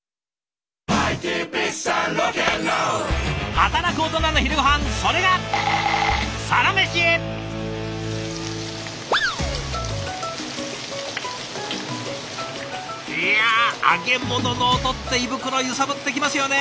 働くオトナの昼ごはんそれがいや揚げ物の音って胃袋揺さぶってきますよね。